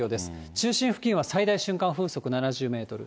中心付近は最大瞬間風速７０メートル。